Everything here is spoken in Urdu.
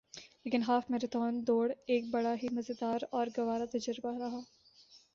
لیکن ہاف میراتھن دوڑ ایک بڑا ہی مزیدار اور گوارہ تجربہ رہا